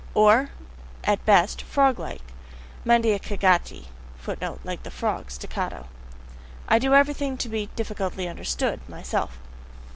], or at best "froglike," mandeikagati [Footnote: Like the frog: staccato.] (I do everything to be "difficultly understood" myself!)